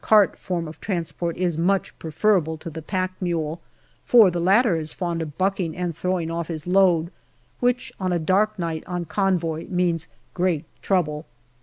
cart form of transport is much preferable to the pack mule, for the latter is fond of bucking and throwing off his load, which on a dark night on convoy means great trouble.